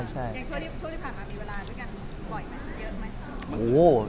ยังช่วงที่ผ่านมามีเวลาอยู่กันบ่อยมั้ยเยอะมั้ย